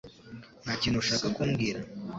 Nta kintu ushaka kumbwira